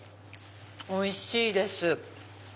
おいしいです！